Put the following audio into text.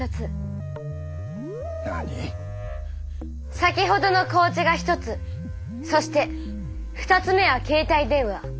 先ほどの紅茶が「１つ」そして「２つ目」は携帯電話。